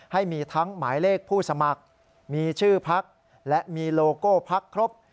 ให้มีทั้งหมายเลขผู้สมัครมีชื่อพักและมีโลโก้พักครบ